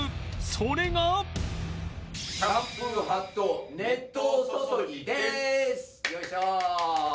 それがよいしょ！